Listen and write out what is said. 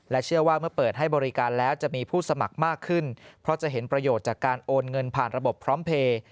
เชื่อว่าเมื่อเปิดให้บริการแล้วจะมีผู้สมัครมากขึ้นเพราะจะเห็นประโยชน์จากการโอนเงินผ่านระบบพร้อมเพลย์